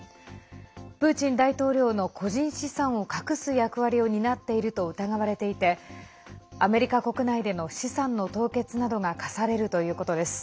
プーチン大統領の個人資産を隠す役割を担っていると疑われていてアメリカ国内での資産の凍結などが科されるということです。